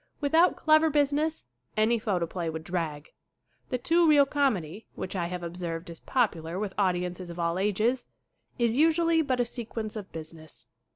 Without clever business any photoplay would drag. The two reel com edy, which I have observed is popular with audiences of all ages, is usually but a sequence of business.